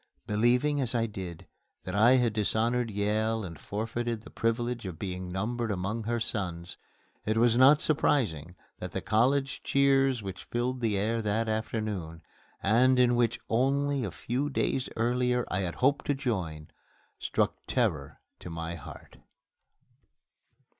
Believing, as I did, that I had dishonored Yale and forfeited the privilege of being numbered among her sons, it was not surprising that the college cheers which filled the air that afternoon, and in which only a few days earlier I had hoped to join, struck terror to my heart.